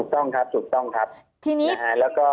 ถูกต้องครับครับ